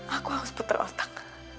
aku harus putar otak